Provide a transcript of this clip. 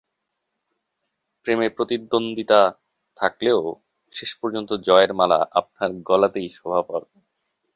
প্রেমে প্রতিদ্বন্দ্বিতা থাকলেও শেষ পর্যন্ত জয়ের মালা আপনার গলাতেই শোভা পাবে।